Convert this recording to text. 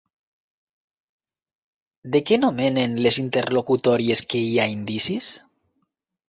De què nomenen les interlocutòries que hi ha indicis?